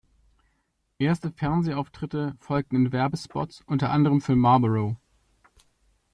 Erste Fernsehauftritte folgten in Werbespots, unter anderem für "Marlboro".